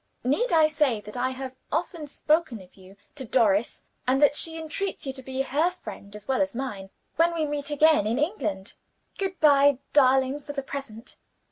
Need I say that I have often spoken of you to Doris, and that she entreats you to be her friend as well as mine, when we meet again in England? "Good by, darling, for the present.